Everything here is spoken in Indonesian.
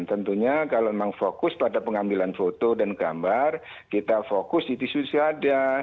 tentunya kalau memang fokus pada pengambilan foto dan gambar kita fokus di diskusi saja